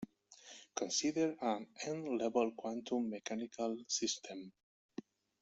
Consider an "n"-level quantum mechanical system.